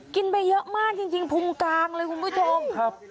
กินไปเยอะมากจริงพุงกลางเลยคุณผู้ชม